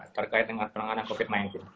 terkait dengan penanganan covid sembilan belas